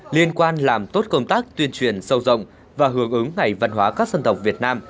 liên quan làm tốt công tác tuyên truyền sâu rộng và hướng ứng ngày văn hóa các dân tộc việt nam